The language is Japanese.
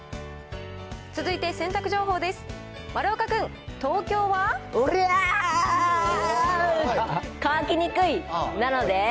続いて洗濯情報です。